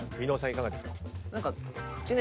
いかがですか？